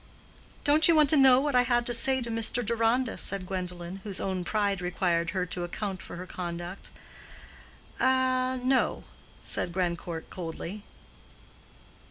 "Don't you want to know what I had to say to Mr. Deronda?" said Gwendolen, whose own pride required her to account for her conduct. "A—no," said Grandcourt, coldly.